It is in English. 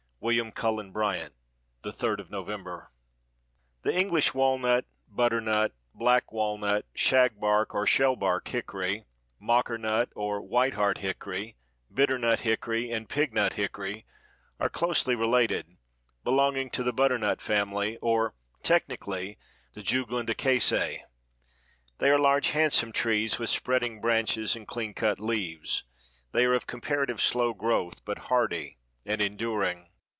—William Cullen Bryant: "The Third of November." The English walnut, butternut, black walnut, shagbark or shellbark hickory, mockernut or whiteheart hickory, bitternut hickory and pignut hickory are closely related, belonging to the butternut family, or technically the Juglandaceæ. They are large, handsome trees, with spreading branches and cleancut leaves. They are of comparative slow growth but hardy and enduring.